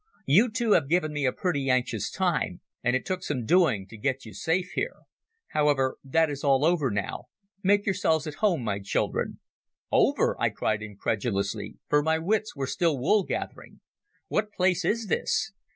You two have given me a pretty anxious time, and it took some doing to get you safe here. However, that is all over now. Make yourselves at home, my children." "Over!" I cried incredulously, for my wits were still wool gathering. "What place is this?"